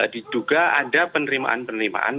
diduga ada penerimaan penerimaan